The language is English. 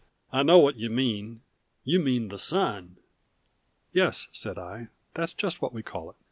"I know what you mean you mean the sun." "Yes," said I; "that's just what we call it.